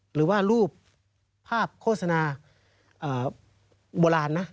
หรือว่ารูปภาพโฆษณาโบราณนะ